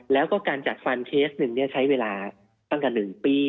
แล้วก็การจัดฟันเคสหนึ่งใช้เวลาตั้งแต่๑ปี